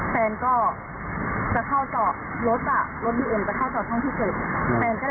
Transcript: แฟนก็เลยสกัดไปที่ช่องที่เก็บแขนแล้วรถวิเอ็มก็เลยหยุดแล้วมาช่องที่หกเชื่อหนี